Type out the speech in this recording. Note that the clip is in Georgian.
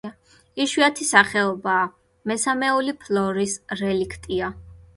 იშვიათი სახეობაა; მესამეული ფლორის რელიქტია.